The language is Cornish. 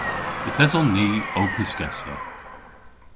Yth eson ni ow pyskessa.